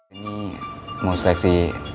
ini mau seleksi